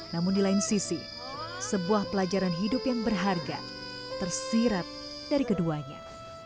namun di lain sisi sebuah pelajaran hidup yang berharga tersirat dari keduanya